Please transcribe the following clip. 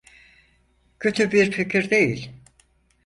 Kötü bir fikir değil.